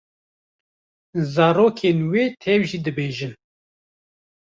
Zarokên wê tev jî dibêjin.